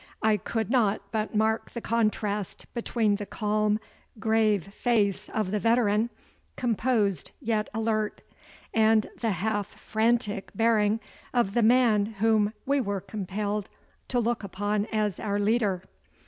I could not but mark the contrast between the calm, grave face of the veteran, composed yet alert, and the half frantic bearing of the man whom we were compelled to look upon as our leader.